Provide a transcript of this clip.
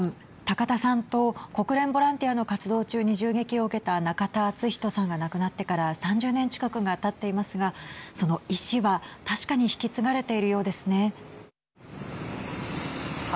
高田さんと国連ボランティアの活動中に銃撃を受けた中田厚仁さんが亡くなってから３０年近くがたっていますがその遺志は、確かに引き継がれているようですね。